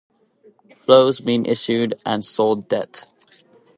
Flows mean issued and sold debt.